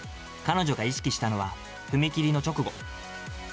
彼女が意識したのは、踏み切りの直後。